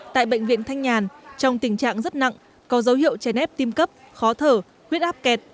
tại bệnh viện thanh nhàn trong tình trạng rất nặng có dấu hiệu chèn ép tim cấp khó thở huyết áp kẹt